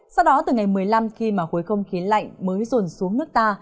sau đó từ ngày một mươi năm khi mà khối không khí lạnh mới rồn xuống nước ta